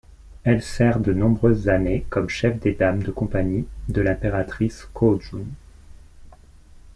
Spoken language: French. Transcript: Elle sert de nombreuses années comme chef des dames de compagnie de l'impératrice Kōjun.